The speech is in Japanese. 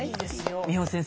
美穂先生